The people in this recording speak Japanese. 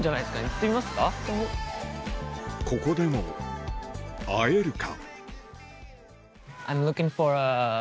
ここでも会えるか？